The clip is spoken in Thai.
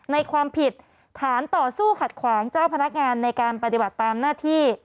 ในความผิดฐานต่อสู้ขัดขวางเจ้าพนักงานในการปฏิบัติตามหน้าที่